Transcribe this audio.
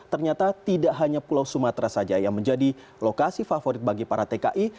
ternyata tidak hanya pulau sumatera saja yang menjadi lokasi favorit bagi para tki